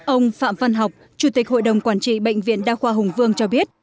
ông phạm văn học chủ tịch hội đồng quản trị bệnh viện đa khoa hùng vương cho biết